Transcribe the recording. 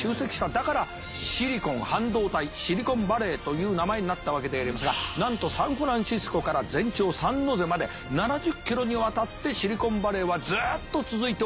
だからシリコン半導体シリコンバレーという名前になったわけでありますがなんとサンフランシスコから全長サンノゼまで７０キロにわたってシリコンバレーはずっと続いております。